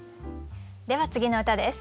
では次の歌です。